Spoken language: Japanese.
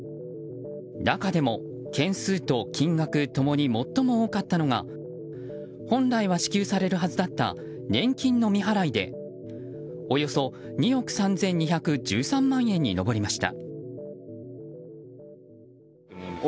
中でも、件数と金額共に最も多かったのが本来は支給されるはずだった年金の未払いでおよそ２億３２１３万円に上りました。